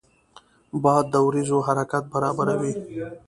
باد د وریځو حرکت برابروي